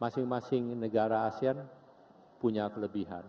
masing masing negara asean punya kelebihan